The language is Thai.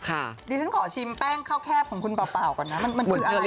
ดิฉันขอชิมแป้งข้าวแคบของคุณเปล่าก่อนนะมันคืออะไร